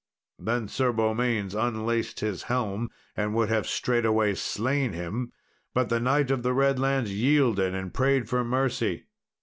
Then Sir Beaumains unlaced his helm, and would have straightway slain him, but the Knight of the Redlands yielded, and prayed for mercy.